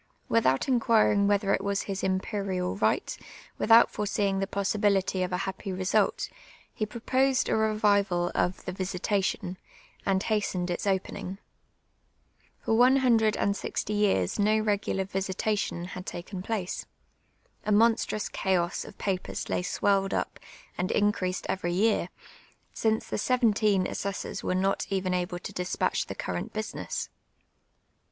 Without in(piirin«; whether it was his imperial ri^ht, without foreseein}; the ]X)ssibility of a haj)py result, he proposed a revival of the " visitation,"' and ba.'^trned its o])eninj;. For one hundred and sixty years no regular '* visiuitiou"' had taken place ; a monstrous chaos ofC THE "visitation" AT WKTZLAR. 461 vi]>ors Inv swelled \ip iind iiicreasecl every year, sineo tlic <» Ncnteen a'^sessors were not even al)li' to (lr.sj)atel» the eurrent )u>ines.s.